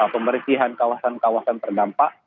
pembersihan kawasan kawasan terdampak